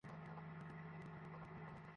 এটা এমনিই হয়ে যায়।